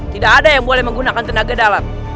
tidak ada yang boleh menggunakan tenaga dalam